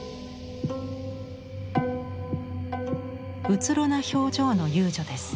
うつろな表情の遊女です。